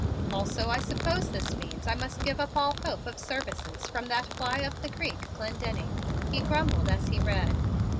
"Also I suppose this means I must give up all hope of services from that fly up the creek, Clendenning," he grumbled as he read.